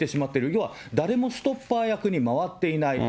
要は誰もストッパー役に回っていない。